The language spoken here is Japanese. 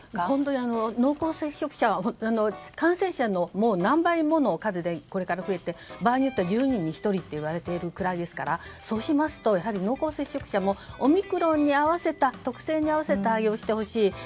本当に濃厚接触者は感染者の何倍もの数でこれから増えて、場合によっては１０人に１人と言われているくらいですからそうしますとやはり濃厚接触者もオミクロンの特性に合わせ対応してほしい。